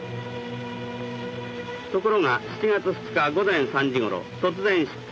ところが７月２日午前３時ごろ突然出火。